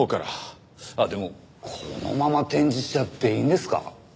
あっでもこのまま展示しちゃっていいんですか？